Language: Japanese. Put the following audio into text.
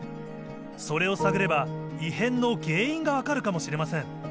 それを探れば異変の原因がわかるかもしれません。